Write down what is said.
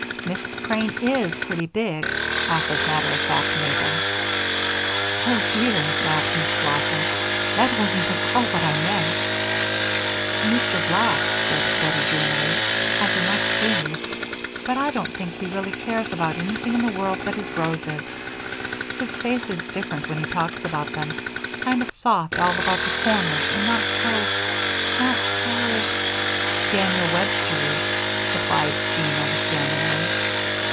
"Mrs. Crane is pretty big," offered matter of fact Mabel. "Oh, dear," laughed Miss Blossom, "that wasn't at all what I meant." "Mr. Black," said Bettie, dreamily, "has enough things, but I don't believe he really cares about anything in the world but his roses. His face is different when he talks about them, kind of soft all about the corners and not so not so " "Daniel Webstery," supplied Jean, understandingly.